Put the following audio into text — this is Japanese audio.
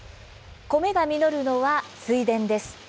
米が実るのは水田です。